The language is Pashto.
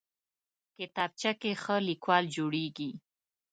کتابچه کې ښه لیکوال جوړېږي